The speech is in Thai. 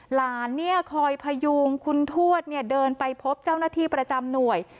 หลานคอยพยุงคุณทวดเดินไปพบเจ้าหน้าที่ประจำหน่วย